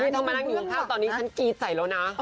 ไม่ต้องมานั่งอยู่ข้างข้างตอนนี้ฉันกีดใส่แล้วนะ